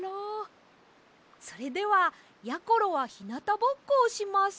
それではやころはひなたぼっこをします。